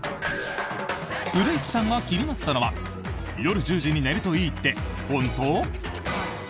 古市さんが気になったのは夜１０時に寝るといいって本当？